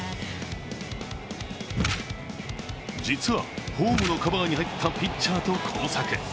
実は、ホームのカバーに入ったピッチャーと交錯。